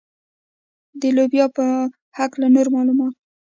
د لوبیا په هکله نور معلومات.